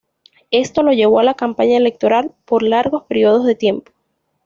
Esto lo llevó a la campaña electoral por largos períodos de tiempo.